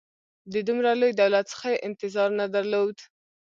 د دومره لوی دولت څخه یې انتظار نه درلود.